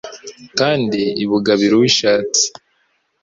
kandi ibugabira uwo ishatse'».